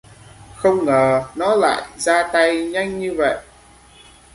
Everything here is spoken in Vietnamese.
Không ngờ nó lại gia tay nhanh như vậy